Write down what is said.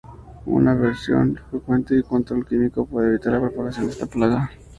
Una revisión frecuente y un control químico puede evitar la propagación de esta plaga.